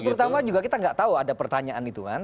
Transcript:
terutama juga kita nggak tahu ada pertanyaan itu kan